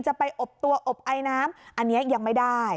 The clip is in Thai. จะไปอบตัวอบไอน้ำอันนี้ยังไม่ได้